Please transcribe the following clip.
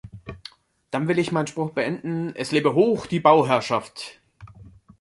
Dann will ich mein' Spruch beenden, es lebe hoch die Bauherrschaft!